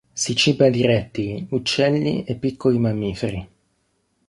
Si ciba di rettili, uccelli e piccoli mammiferi.